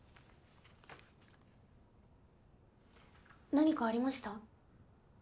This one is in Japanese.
何かありました？